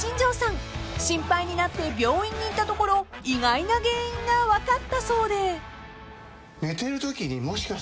［心配になって病院に行ったところ意外な原因が分かったそうで］